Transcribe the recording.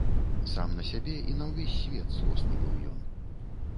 Сам на сябе і на ўвесь свет злосны быў ён.